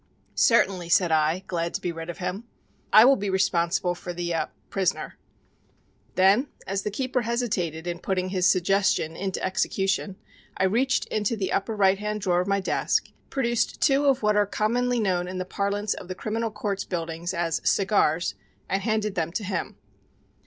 "Certainly," said I, glad to be rid of him, "I will be responsible for the er prisoner." Then, as the keeper hesitated in putting his suggestion into execution, I reached into the upper right hand drawer of my desk, produced two of what are commonly known in the parlance of the Criminal Courts Building as "cigars" and handed them to him.